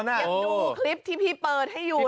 ยังดูคลิปที่พี่เปิดให้อยู่